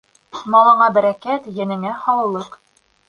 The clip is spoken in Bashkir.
Малыңа бәрәкәт, йәнеңә һаулыҡ!